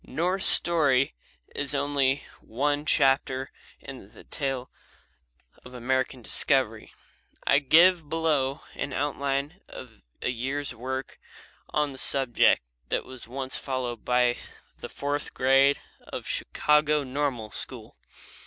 Norse story is only one chapter in that tale of American discovery. I give below an outline of a year's work on the subject that was once followed by the fourth grade of the Chicago Normal School.